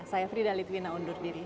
saya frida litwina undur diri